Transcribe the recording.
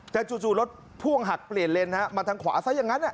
แต่จู่รถพ่วงหักเปลี่ยนเลนมาทางขวาซะอย่างนั้น